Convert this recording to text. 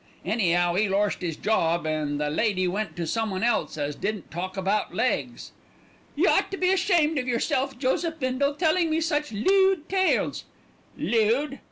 Any'ow 'e lorst 'is job, and the lady went to someone else as didn't talk about legs." "Y' ought to be ashamed of yourself, Joseph Bindle, telling me such lewd tales." "'Lewd!'